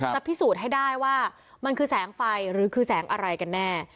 จะพิสูจน์ให้ได้ว่ามันคือแสงไฟหรือคือแสงอะไรกันแน่